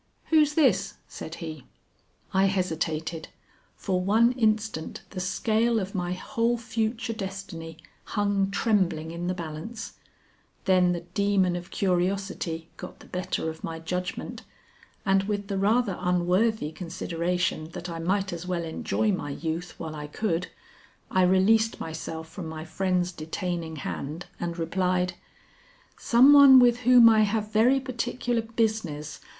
"Who's this?" said he. I hesitated. For one instant the scale of my whole future destiny hung trembling in the balance, then the demon of curiosity got the better of my judgment, and with the rather unworthy consideration that I might as well enjoy my youth while I could, I released myself from my friend's detaining hand and replied, "Some one with whom I have very particular business.